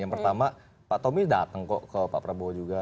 yang pertama pak tommy datang kok ke pak prabowo juga